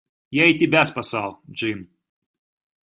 Я и тебя спасал, Джим.